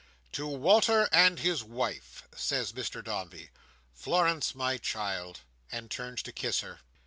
"To Walter and his wife!" says Mr Dombey. "Florence, my child"—and turns to kiss her.